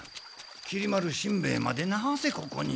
きり丸しんべヱまでなぜここに。